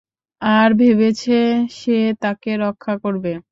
আর ভেবেছে, সে তাকে রক্ষা করবে।